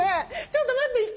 ちょっと待って！